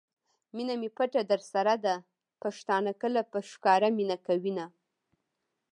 مینه می پټه درسره ده ؛ پښتانه کله په ښکاره مینه کوینه